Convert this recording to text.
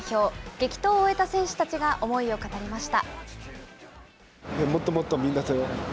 激闘を終えた選手たちが、思いを語りました。